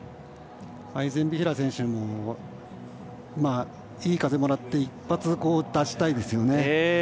アイゼンビヒラー選手もいい風もらって一発、出したいですよね。